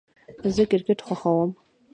زه کرکټ خوښوم